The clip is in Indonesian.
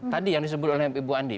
tadi yang disebut oleh ibu andi